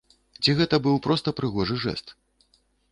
Ці гэта быў проста прыгожы жэст?